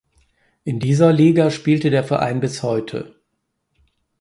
In dieser Liga spielte der Verein bis heute.